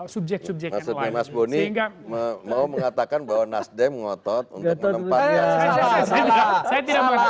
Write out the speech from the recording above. subjek subjek mas bunyi sehingga mau mengatakan bahwa nasdem ngotot untuk menempatkan saya tidak